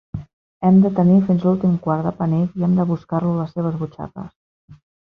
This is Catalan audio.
Hem de tenir "fins a l'últim quart de penic" i "hem de buscar-lo a les seves butxaques".